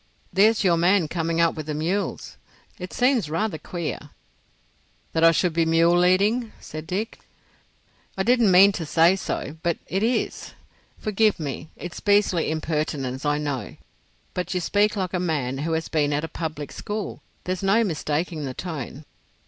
"There's your man coming up with the mules. It seems rather queer——" "That I should be mule leading?" said Dick. "I didn't mean to say so, but it is. Forgive me—it's beastly impertinence I know, but you speak like a man who has been at a public school. There's no mistaking the tone."